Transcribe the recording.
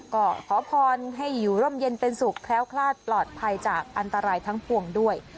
ก็ขอพรให้อยู่ร่มเย็นเป็นสุขแคล้วคลาดปลอดภัยจากอันตรายทั้งปวงด้วย